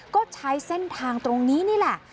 ก็ใช้เส้นทางตรงนี้นี่แหละ